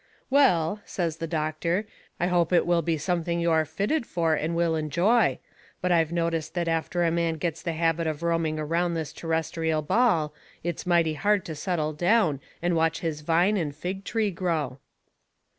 "Well," says the doctor, "I hope it will be something you are fitted for and will enjoy. But I've noticed that after a man gets the habit of roaming around this terrestial ball it's mighty hard to settle down and watch his vine and fig tree grow."